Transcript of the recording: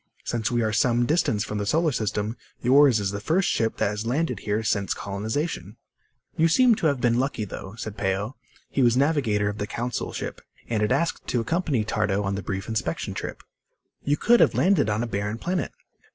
Since we are some distance from the solar system, yours is the first ship that has landed here since colonization." "You seem to have been lucky, though," said Peo. He was navigator of the Council ship, and had asked to accompany Tardo on the brief inspection trip. "You could have landed on a barren planet."